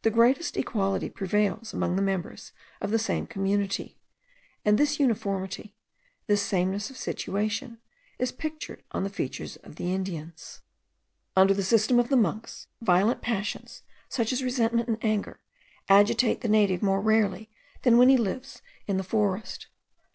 The greatest equality prevails among the members of the same community; and this uniformity, this sameness of situation, is pictured on the features of the Indians. Under the system of the monks, violent passions, such as resentment and anger, agitate the native more rarely than when he lives in the forest.